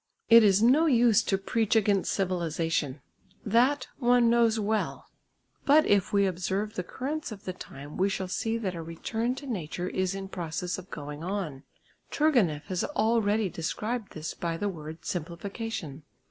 It is no use to preach against civilisation, that one knows well, but if we observe the currents of the time we shall see that a return to nature is in process of going on. Turgenieff has already described this by the word "simplification."